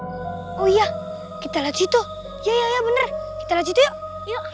oh iya kita lanjut yaya bener kita lanjut yuk